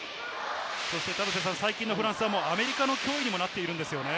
田臥さん、最近のフランスはアメリカの脅威にもなってるんですよね。